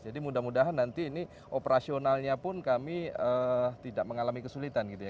mudah mudahan nanti ini operasionalnya pun kami tidak mengalami kesulitan gitu ya